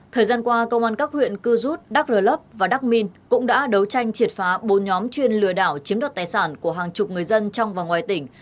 thời gian qua công an các huyện cư rút đắk rơ lấp và đắc minh cũng đã đấu tranh triệt phá bốn nhóm chuyên lừa đảo chiếm đoạt tài sản của hàng chục người dân trong và ngoài tỉnh